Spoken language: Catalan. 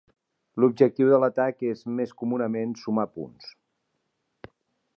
L'objectiu de l'atac és, més comunament, sumar punts.